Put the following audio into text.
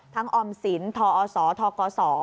ทั้งออมสินทอศทกศ